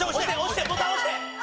ボタン押して！